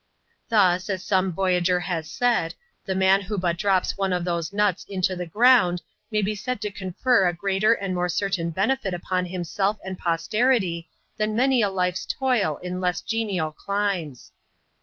Thus, as some vo3ragi^ has said, the man who bat drops one ^ these nuts into the ground, may be said to confer a greater and more certain benefit upon himself and posterity, than many a life's toil in less genial climes.